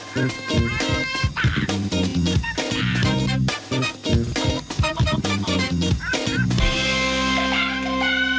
โปรดติดตามตอนต่อไป